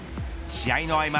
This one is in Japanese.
試合の合間